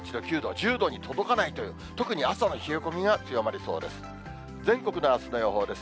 １０度に届かないという、特に朝の冷え込みが強まりそうです。